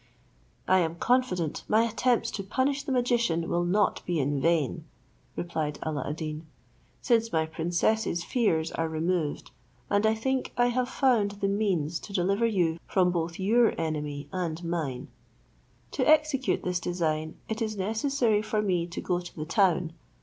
"I am confident my attempts to punish the magician will not be in vain," replied Alla ad Deen, "since my princess's fears are removed, and I think I have found the means to deliver you from both your enemy and mine; to execute this design, it is necessary for me to go to the town.